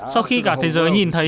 sau khi cả thế giới nhìn thấy